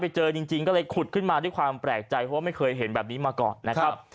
ไปเจอจริงก็เลยขุดขึ้นมาด้วยความแปลกใจเพราะว่าไม่เคยเห็นแบบนี้มาก่อนนะครับ